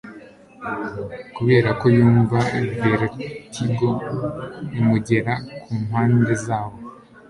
kuberako yumva vertigo imugera kumpande zabo